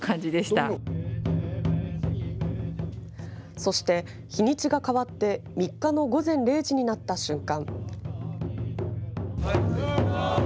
そして日にちが変わって３日の午前０時になった瞬間。